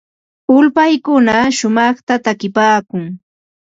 Ulpaykuna shumaqta takipaakun.